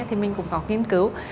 thì mình cũng có nghiên cứu